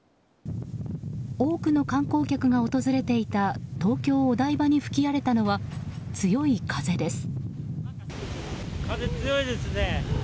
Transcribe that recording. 多くの観光客が訪れていた東京・お台場に吹き荒れたのは強い風です。